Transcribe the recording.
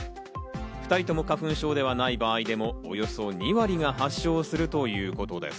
２人とも花粉症ではない場合でも、およそ２割が発症するということです。